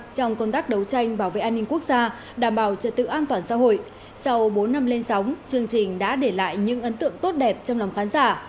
trong công tác đấu tranh bảo vệ an ninh quốc gia đảm bảo trật tự an toàn xã hội sau bốn năm lên sóng chương trình đã để lại những ấn tượng tốt đẹp trong lòng khán giả